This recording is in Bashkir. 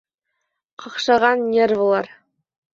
Ҡаҡшаған нервылар